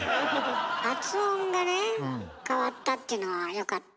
発音がね変わったっていうのはよかったかも。